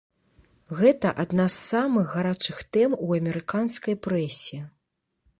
Гэта адна з самых гарачых тэм у амерыканскай прэсе.